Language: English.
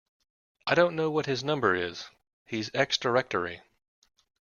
I don't know what his number is: he's ex-directory